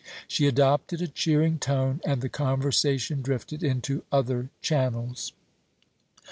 She adopted a cheering tone, and the conversation drifted into other channels.